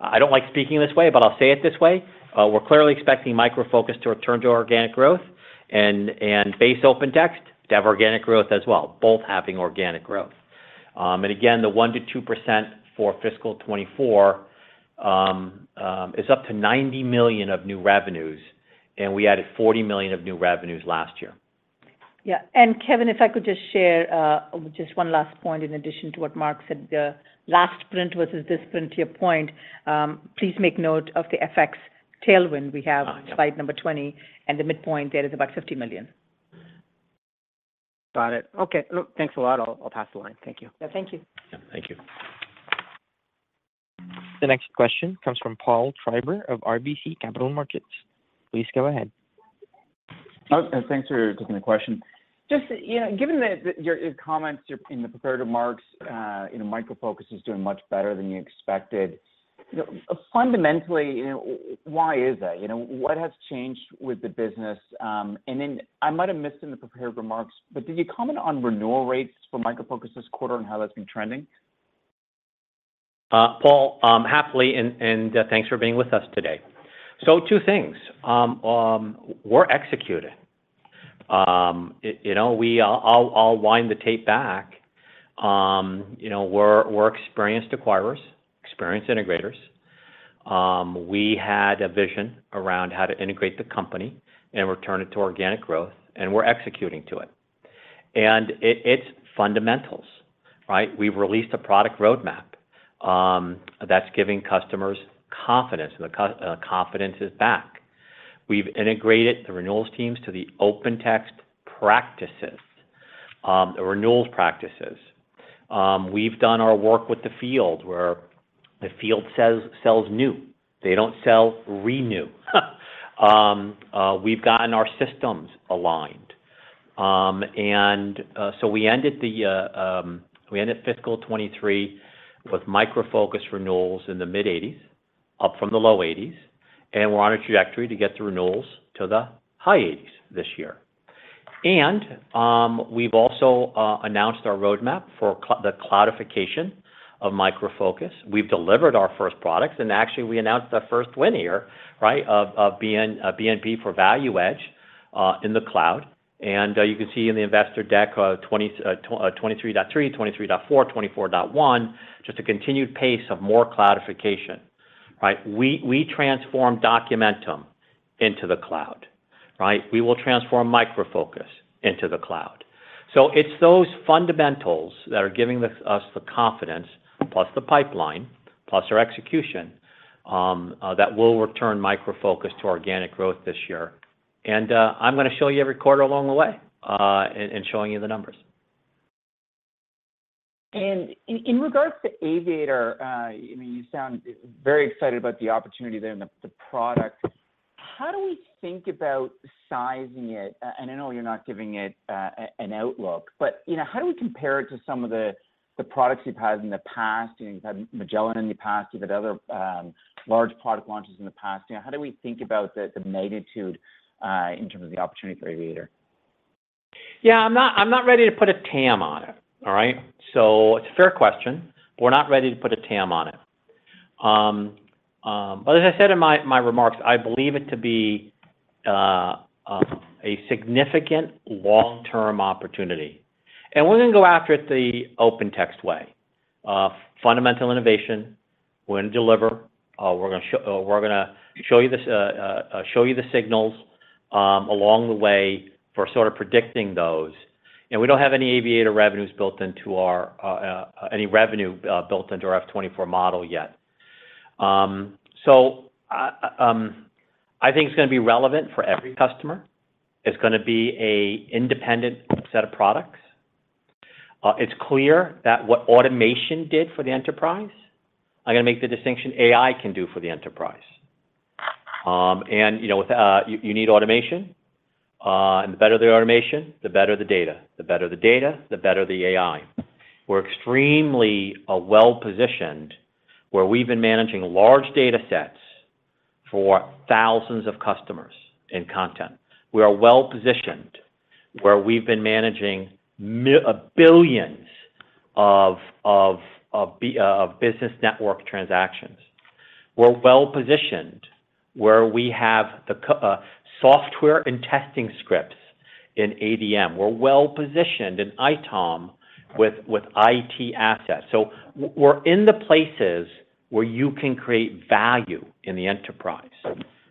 I don't like speaking this way, but I'll say it this way: We're clearly expecting Micro Focus to return to organic growth and base OpenText to have organic growth as well, both having organic growth. And again, the 1%-2% for fiscal 2024 is up to $90 million of new revenues, and we added $40 million of new revenues last year. Yeah, and Kevin, if I could just share, just one last point in addition to what Mark said. The last print versus this print, to your point, please make note of the FX tailwind we have- Got it. Slide number 20, the midpoint there is about $50 million. Got it. Okay, look, thanks a lot. I'll, I'll pass the line. Thank you. Yeah, thank you. Yeah, thank you. The next question comes from Paul Treiber of RBC Capital Markets. Please go ahead. Thanks for taking the question. Just, you know, given the your comments in the prepared remarks, you know, Micro Focus is doing much better than you expected. You know, fundamentally, you know, why is that? You know, what has changed with the business? Then I might have missed in the prepared remarks, but did you comment on renewal rates for Micro Focus this quarter and how that's been trending? Paul, happily, and, and, thanks for being with us today. Two things. We're executing. Y- you know, we, I'll, I'll wind the tape back. You know, we're, we're experienced acquirers, experienced integrators. We had a vision around how to integrate the company and return it to organic growth, and we're executing to it. It, it's fundamentals, right? We've released a product roadmap, that's giving customers confidence, the cu- confidence is back. We've integrated the renewals teams to the OpenText practices, the renewals practices. We've done our work with the field, where the field says, sells new. They don't sell renew. We've gotten our systems aligned. So we ended fiscal 2023 with Micro Focus renewals in the mid-eighties, up from the low eighties, and we're on a trajectory to get the renewals to the high eighties this year. We've also announced our roadmap for the cloudification of Micro Focus. We've delivered our first products, and actually, we announced our first winner, right, of BNP for Value Edge, in the cloud. You can see in the investor deck, 23.3, 23.4, 24.1, just a continued pace of more cloudification, right? We, we transformed Documentum into the cloud, right? We will transform Micro Focus into the cloud. It's those fundamentals that are giving us, us the confidence, plus the pipeline, plus our execution, that will return Micro Focus to organic growth this year. I'm gonna show you every quarter along the way, and showing you the numbers. In, in regards to Aviator, I mean, you sound very excited about the opportunity there and the, the product. How do we think about sizing it? And I know you're not giving it an outlook, but, you know, how do we compare it to some of the, the products you've had in the past? You've had Magellan in the past, you've had other large product launches in the past. You know, how do we think about the magnitude in terms of the opportunity for Aviator? Yeah, I'm not, I'm not ready to put a TAM on it. All right? It's a fair question, but we're not ready to put a TAM on it. As I said in my, my remarks, I believe it to be a significant long-term opportunity. We're gonna go after it the OpenText way. Fundamental innovation, we're gonna deliver, we're gonna show you the signals along the way for sort of predicting those. We don't have any Aviator revenues built into our any revenue built into our F24 model yet. I think it's gonna be relevant for every customer. It's gonna be a independent set of products. It's clear that what automation did for the enterprise, I'm gonna make the distinction AI can do for the enterprise. You know, with you, you need automation, and the better the automation, the better the data. The better the data, the better the AI. We're extremely well-positioned, where we've been managing large data sets for thousands of customers and content. We are well positioned, where we've been managing billions of business network transactions. We're well positioned, where we have the software and testing scripts in ADM. We're well positioned in ITOM with IT assets. We're in the places where you can create value in the enterprise.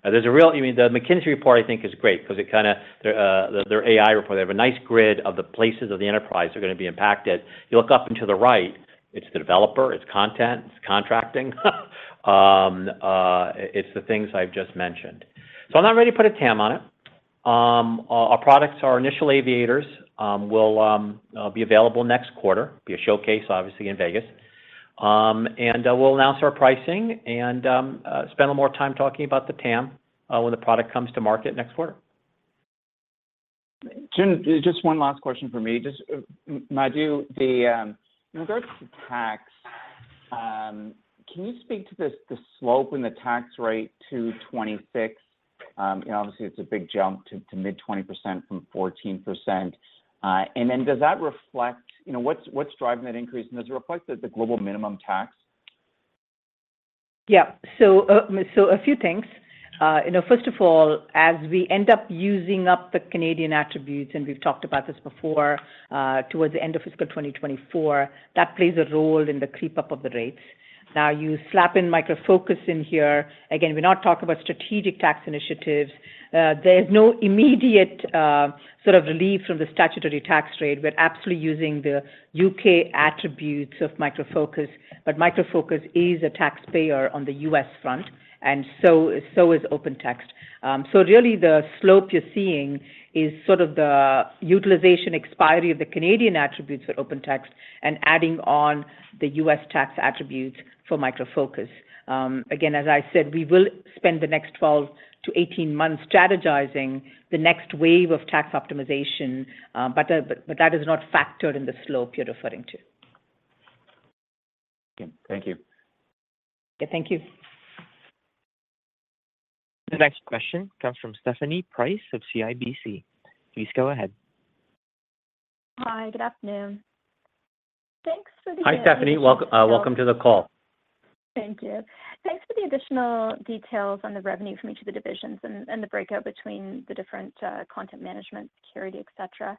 There's a real. I mean, the McKinsey report, I think, is great because it kinda, their AI report, they have a nice grid of the places of the enterprise are gonna be impacted. You look up and to the right, it's the developer, it's content, it's contracting, it's the things I've just mentioned. I'm not ready to put a TAM on it. Our, our products, our initial Aviators, will be available next quarter, be a showcase, obviously, in Vegas. We'll announce our pricing and spend more time talking about the TAM when the product comes to market next quarter. Jim, just one last question for me. Just, Madhu, the, in regards to tax, can you speak to this, the slope in the tax rate to 26? You know, obviously, it's a big jump to, to mid-20% from 14%. Then does that reflect... You know, what's, what's driving that increase? Does it reflect the, the global minimum tax? Yeah. A few things. You know, first of all, as we end up using up the Canadian attributes, and we've talked about this before, towards the end of fiscal 2024, that plays a role in the creep up of the rates. Now, you slap in Micro Focus in here. Again, we're not talking about strategic tax initiatives. There's no immediate, sort of relief from the statutory tax rate. We're absolutely using the U.K. attributes of Micro Focus, but Micro Focus is a taxpayer on the U.S. front, and so, so is OpenText. Really the slope you're seeing is sort of the utilization expiry of the Canadian attributes for OpenText and adding on the U.S. tax attributes for Micro Focus.Again, as I said, we will spend the next 12-18 months strategizing the next wave of tax optimization, but that is not factored in the slope you're referring to. Okay. Thank you. Yeah, thank you. The next question comes from Stephanie Price of CIBC. Please go ahead. Hi, good afternoon. Thanks for the- Hi, Stephanie. Welcome, welcome to the call. Thank you. Thanks for the additional details on the revenue from each of the divisions and, and the breakout between the different content management, security, et cetera.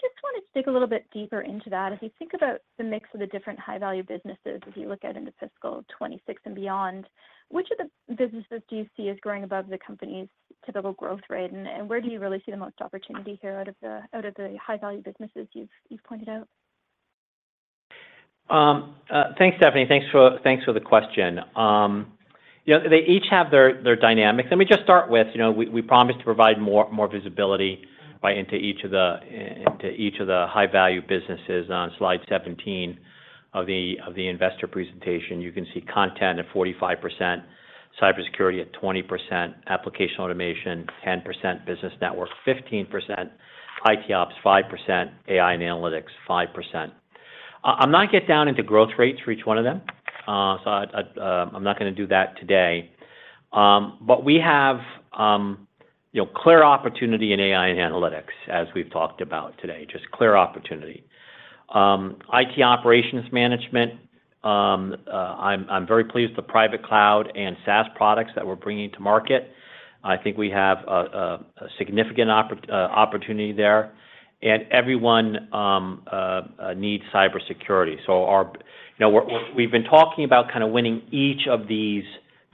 Just wanted to dig a little bit deeper into that. As you think about the mix of the different high-value businesses, as you look at into fiscal 2026 and beyond, which of the businesses do you see as growing above the company's typical growth rate? Where do you really see the most opportunity here out of the high-value businesses you've, you've pointed out? Thanks, Stephanie. Thanks for, thanks for the question. You know, they each have their, their dynamics. Let me just start with, you know, we, we promise to provide more, more visibility, right, into each of the, into each of the high-value businesses. On slide 17 of the, of the investor presentation, you can see Content at 45%, Cybersecurity at 20%, Application Automation, 10%, Business Network, 15%, IT Ops, 5%, AI and analytics, 5%. I'm not get down into growth rates for each one of them, so I, I, I'm not gonna do that today. We have, you know, clear opportunity in AI and analytics, as we've talked about today, just clear opportunity. IT operations management, I'm, I'm very pleased with private cloud and SaaS products that we're bringing to market. I think we have a significant opportunity there. Everyone needs cybersecurity. You know, we're, we've been talking about kind of winning each of these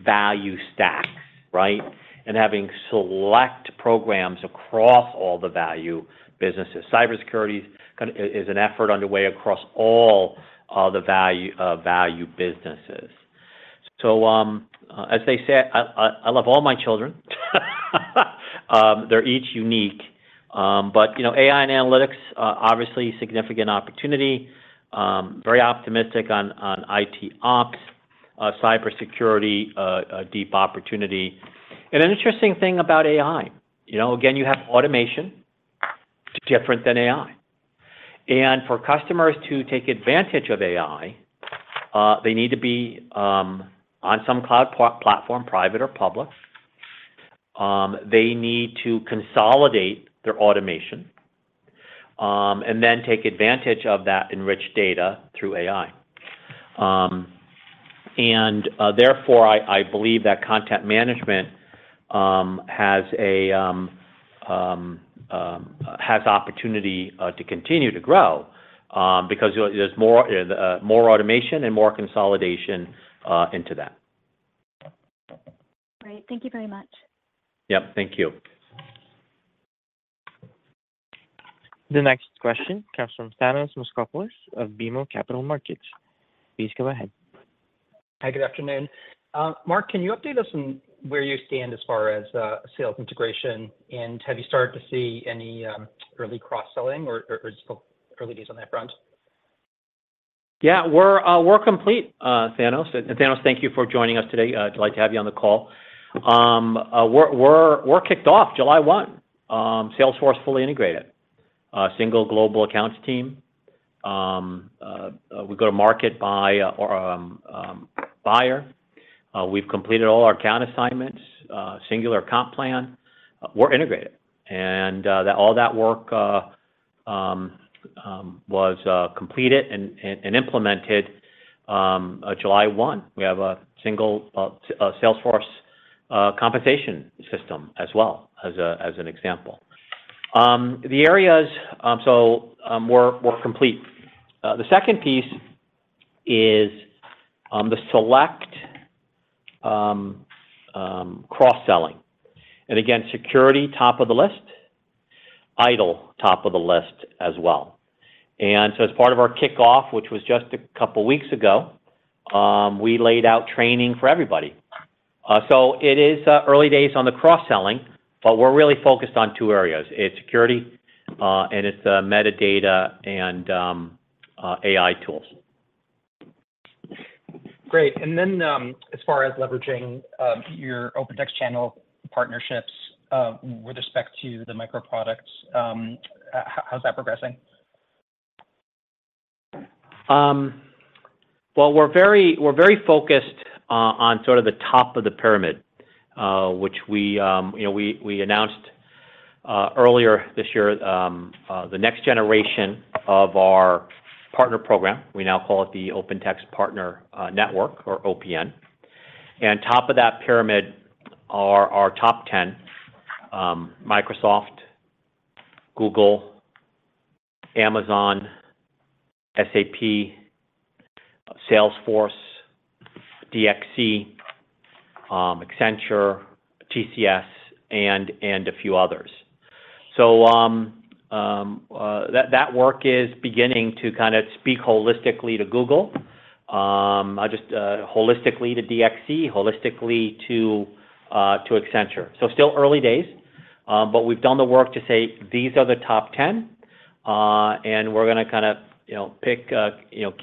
value stacks, right? Having select programs across all the value businesses. Cybersecurity kind of, is an effort underway across all the value businesses. As they say, I love all my children. They're each unique. You know, AI and analytics are obviously a significant opportunity. Very optimistic on IT Ops, cybersecurity, a deep opportunity. An interesting thing about AI, you know, again, you have automation, different than AI. For customers to take advantage of AI, they need to be on some cloud platform, private or public. They need to consolidate their automation and then take advantage of that enriched data through AI. Therefore, I believe that information management has opportunity to continue to grow because there's, there's more automation and more consolidation into that. Great. Thank you very much. Yep, thank you. The next question comes from Thanos Moschopoulos of BMO Capital Markets. Please go ahead. Hi, good afternoon. Mark, can you update us on where you stand as far as sales integration? Have you started to see any early cross-selling, or it's still early days on that front? Yeah, we're complete, Thanos. Thanos, thank you for joining us today. I'd like to have you on the call. We're kicked off July one, Salesforce fully integrated. Single global accounts team. We go to market by buyer. We've completed all our account assignments, singular account plan. We're integrated, and all that work was completed and implemented July one. We have a single Salesforce compensation system as well, as an example. The areas... So, we're complete. The second piece is the select cross-selling. Again, security, top of the list, ITOM, top of the list as well. As part of our kickoff, which was just a couple of weeks ago, we laid out training for everybody. It is early days on the cross-selling, but we're really focused on 2 areas. It's security, and it's metadata and AI tools. Great. As far as leveraging your OpenText channel partnerships, with respect to the Micro products, how, how's that progressing? Well, we're very, we're very focused on sort of the top of the pyramid, which we, you know, we announced earlier this year, the next generation of our partner program. We now call it the OpenText Partner Network, or OPN. Top of that pyramid are our top 10: Microsoft, Google, Amazon, SAP, Salesforce, DXC, Accenture, TCS, and a few others. That, that work is beginning to kind of speak holistically to Google, just holistically to DXC, holistically to Accenture. Still early days, but we've done the work to say these are the top 10, and we're gonna kind of, you know, pick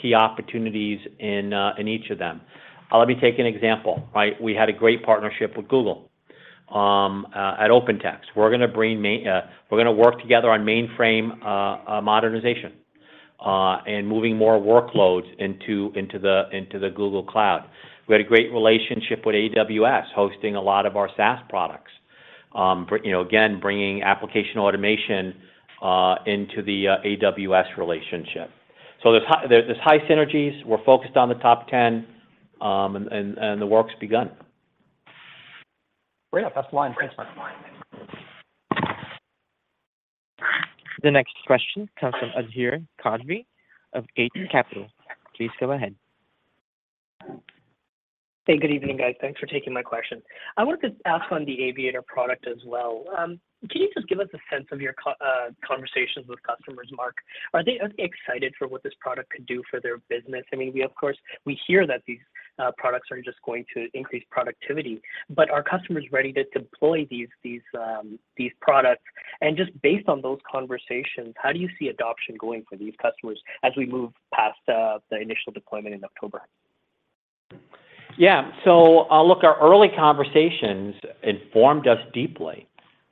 key opportunities in each of them. Let me take an example, right? We had a great partnership with Google at OpenText. We're gonna work together on mainframe modernization and moving more workloads into the Google Cloud. We had a great relationship with AWS, hosting a lot of our SaaS products, you know, again, bringing Application Automation into the AWS relationship. There's high synergies. We're focused on the top ten, and the work's begun. Great. That's the line. The next question comes from of Gate Capital. Please go ahead. Hey, good evening, guys. Thanks for taking my question. I wanted to ask on the Aviator product as well. Can you just give us a sense of your conversations with customers, Mark? Are they excited for what this product could do for their business? I mean, we of course, we hear that these products are just going to increase productivity, but are customers ready to deploy these, these products? Just based on those conversations, how do you see adoption going for these customers as we move past the initial deployment in October? Yeah, look, our early conversations informed us deeply.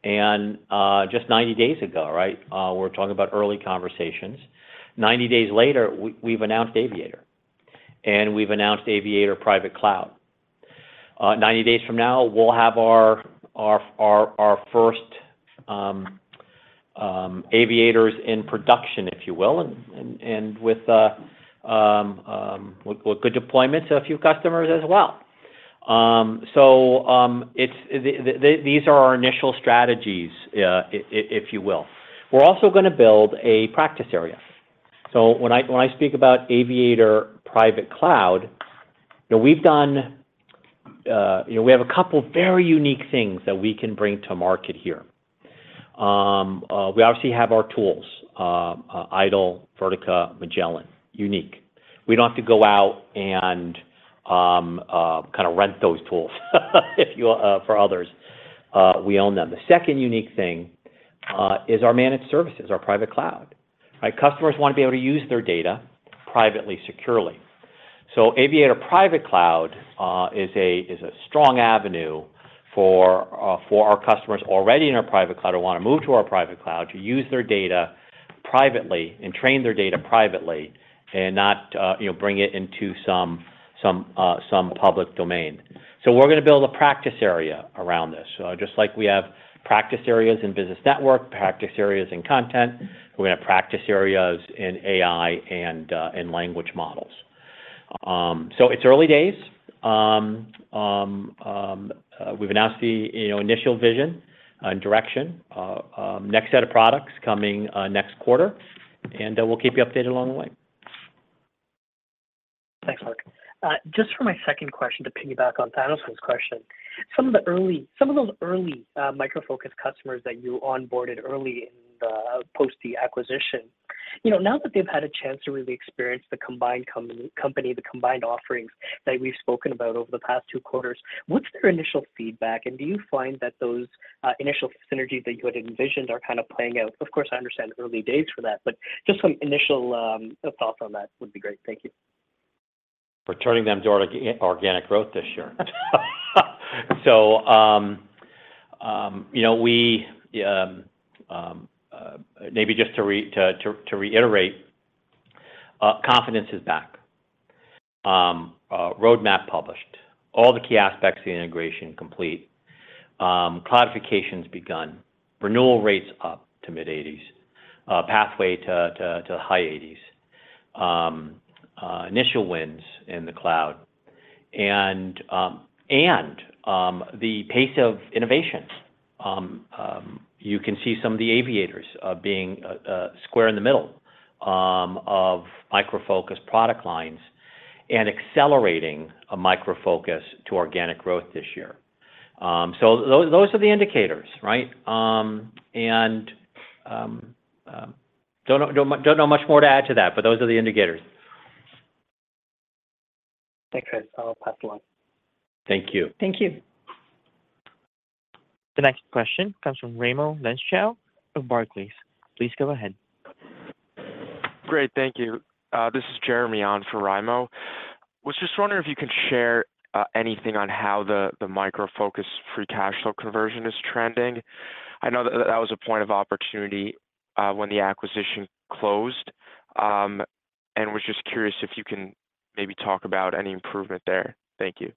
Just 90 days ago, right? We're talking about early conversations. 90 days later, we, we've announced Aviator, and we've announced Aviator Private Cloud. 90 days from now, we'll have our, our, our, our first Aviators in production, if you will, and, and, and with, with good deployments to a few customers as well. It's the, the, these are our initial strategies, if you will. We're also gonna build a practice area. When I, when I speak about Aviator Private Cloud, you know, we've done, you know, we have a couple of very unique things that we can bring to market here. We obviously have our tools, IDOL, Vertica, Magellan, unique. We don't have to go out and kinda rent those tools, if you for others, we own them. The second unique thing is our managed services, our private cloud, right? Customers want to be able to use their data privately, securely. Aviator Private Cloud is a strong avenue for our customers already in our private cloud, or want to move to our private cloud, to use their data privately and train their data privately and not, you know, bring it into some, some public domain. We're gonna build a practice area around this. Just like we have practice areas in Business Network, practice areas in Content, we're gonna have practice areas in AI and in language models. It's early days. We've announced the, you know, initial vision and direction, next set of products coming next quarter, and we'll keep you updated along the way. Thanks, Mark. Just for my second question, to piggyback on Thanos's question. Some of those early Micro Focus customers that you onboarded early in the post the acquisition, you know, now that they've had a chance to really experience the combined company, the combined offerings that we've spoken about over the past two quarters, what's their initial feedback? Do you find that those initial synergies that you had envisioned are kind of playing out? Of course, I understand early days for that, but just some initial thoughts on that would be great. Thank you. We're turning them to organic growth this year. you know, we maybe just to reiterate, confidence is back. roadmap published, all the key aspects of the integration complete, cloudification's begun, renewal rates up to mid-eighties, pathway to high eighties, initial wins in the cloud, and the pace of innovation. you can see some of the aviators being square in the middle of Micro Focus product lines and accelerating a Micro Focus to organic growth this year. those are the indicators, right? don't know much more to add to that, but those are the indicators. Thanks, guys. I'll pass along. Thank you. Thank you. The next question comes from Raimo Lenschow of Barclays. Please go ahead. Great, thank you. This is Jeremy on for Raimo. Was just wondering if you could share, anything on how the, the Micro Focus free cash flow conversion is trending. I know that, that was a point of opportunity, when the acquisition closed, and was just curious if you can maybe talk about any improvement there. Thank you.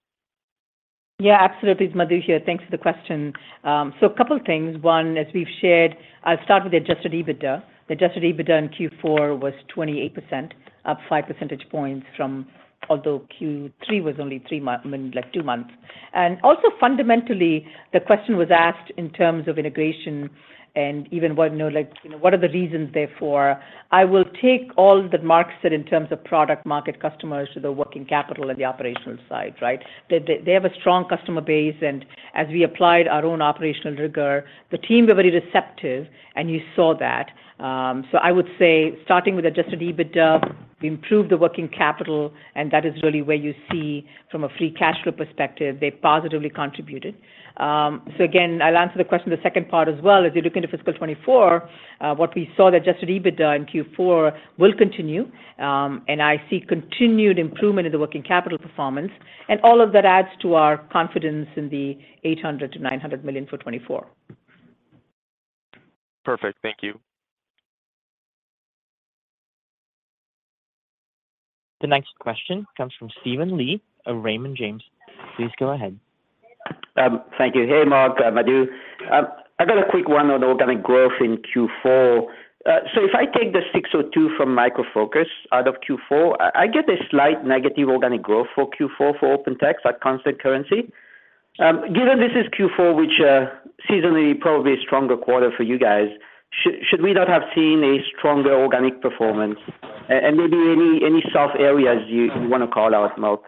Yeah, absolutely. It's Madhu here. Thanks for the question. A couple of things. One, as we've shared, I'll start with the adjusted EBITDA. The adjusted EBITDA in Q4 was 28%, up 5% points from... Although Q3 was only 3 months, I mean, 2 months. Fundamentally, the question was asked in terms of integration and even what, you know, what are the reasons therefore? I will take all that Mark said in terms of product market customers to the working capital and the operational side, right? They have a strong customer base, and as we applied our own operational rigor, the team were very receptive, and you saw that. I would say, starting with adjusted EBITDA, we improved the working capital, and that is really where you see from a free cash flow perspective, they positively contributed. Again, I'll answer the question, the second part as well. As you look into fiscal 2024, what we saw, the adjusted EBITDA in Q4 will continue. I see continued improvement in the working capital performance, all of that adds to our confidence in the $800 million-$900 million for 2024. Perfect. Thank you. The next question comes from Steven Lee of Raymond James. Please go ahead. Thank you. Hey, Mark, Madhu. I got a quick one on the organic growth in Q4. If I take the 602 from Micro Focus out of Q4, I get a slight negative organic growth for Q4 for OpenText at constant currency. Given this is Q4, which, seasonally probably a stronger quarter for you guys, should we not have seen a stronger organic performance? And maybe any, any soft areas you wanna call out, Mark?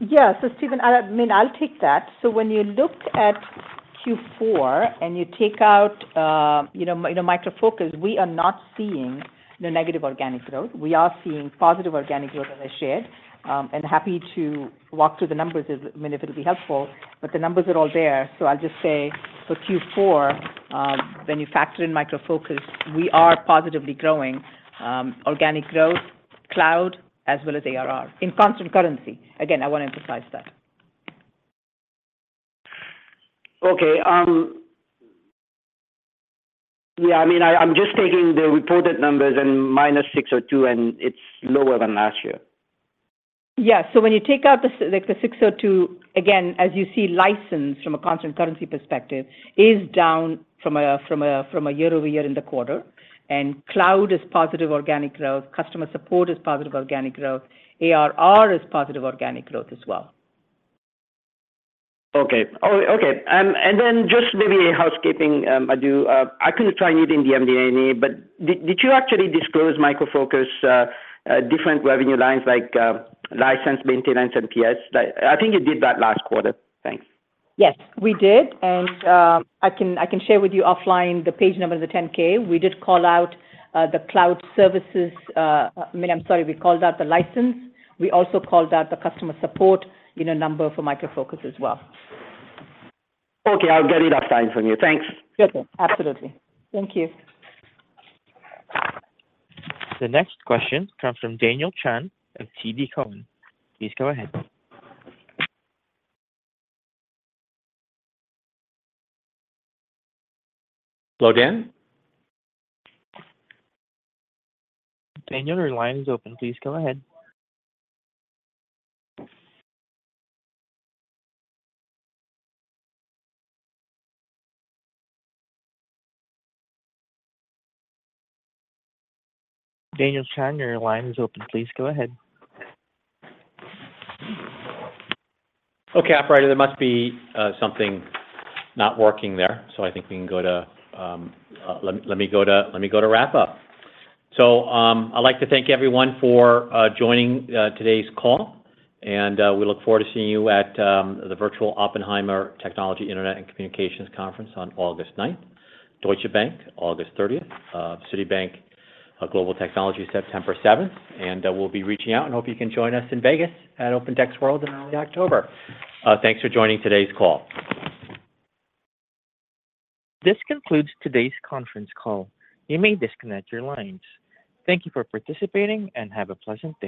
Yeah. Steven, I, I mean, I'll take that. When you looked at Q4 and you take out, you know, you know, Micro Focus, we are not seeing the negative organic growth. We are seeing positive organic growth in the share, and happy to walk through the numbers if, I mean, if it'll be helpful, but the numbers are all there. I'll just say for Q4, when you factor in Micro Focus, we are positively growing, organic growth, cloud, as well as ARR in constant currency. Again, I want to emphasize that. Okay, yeah, I mean, I, I'm just taking the reported numbers and minus six or two, and it's lower than last year. Yeah. When you take out like, the 602, again, as you see, license from a constant currency perspective, is down from a year-over-year in the quarter, cloud is positive organic growth, customer support is positive organic growth, ARR is positive organic growth as well. Okay. Oh, okay. Then just maybe a housekeeping, I do, I couldn't try it in the MD&A, but did, did you actually disclose Micro Focus different revenue lines like license, maintenance, and PS? I, I think you did that last quarter. Thanks. Yes, we did. I can share with you offline the page numbers of the 10-K. We did call out the cloud services. I mean, I'm sorry, we called out the license. We also called out the customer support in a number for Micro Focus as well. Okay, I'll get it offline from you. Thanks. Okay. Absolutely. Thank you. The next question comes from Daniel Chan of TD Cowen. Please go ahead. Hello, Dan? Daniel, your line is open. Please go ahead. Daniel Chan, your line is open. Please go ahead. Okay, operator, there must be something not working there, so I think we can go to let me go to wrap up. I'd like to thank everyone for joining today's call, and we look forward to seeing you at the Virtual Oppenheimer Technology, Internet & Communications Conference on August ninth, Deutsche Bank, August 30th, Citibank, Global Technology, September seventh, and we'll be reaching out, and hope you can join us in Vegas at OpenText World in early October. Thanks for joining today's call. This concludes today's conference call. You may disconnect your lines. Thank you for participating. Have a pleasant day.